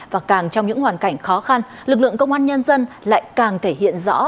và càng trong những hoàn cảnh khó khăn lực lượng công an nhân dân lại càng thể hiện rõ